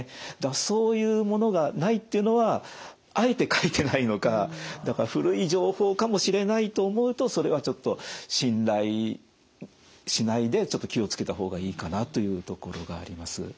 そういうものがないっていうのはあえて書いてないのかだから古い情報かもしれないと思うとそれはちょっと信頼しないでちょっと気を付けた方がいいかなというところがあります。